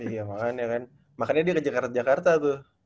iya makanya dia ke jakarta jakarta tuh